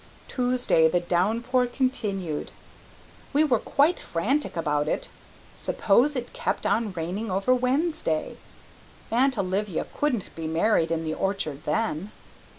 Tuesday the downpour continued. We were quite frantic about it. Suppose it kept on raining over Wednesday! Aunt Olivia couldn't be married in the orchard then.